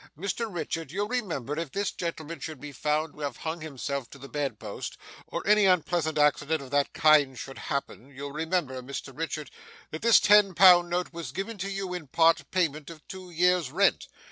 Mr Richard, you'll remember, if this gentleman should be found to have hung himself to the bed post, or any unpleasant accident of that kind should happen you'll remember, Mr Richard, that this ten pound note was given to you in part payment of two years' rent?